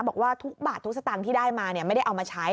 บอกว่าทุกบาททุกสตางค์ที่ได้มาไม่ได้เอามาใช้